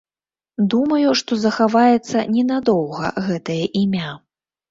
Думаю, што захаваецца ненадоўга гэтае імя.